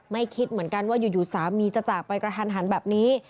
คิดเหมือนกันว่าอยู่สามีจะจากไปกระทันหันแบบนี้